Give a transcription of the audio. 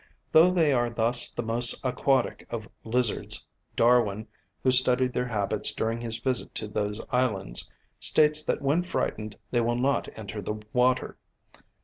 Though they are thus the most aquatic of lizards, Darwin, who studied their habits during his visit to those islands, states that when frightened they will not enter the water.